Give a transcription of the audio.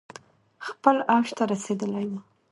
خپل اوج ته رسیدلي ؤ